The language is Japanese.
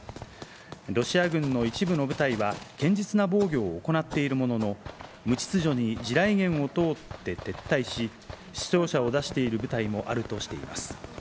ロシア軍の一部の部隊は堅実な防御を行っているものの、無秩序に地雷原を通って撤退し死傷者を出している部隊もあるとしています。